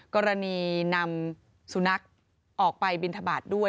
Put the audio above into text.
กรณีนำสุนัขออกไปบินทบาทด้วย